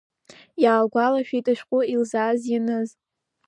Иаалгәалашәеит ашәҟәы илзааз ианыз…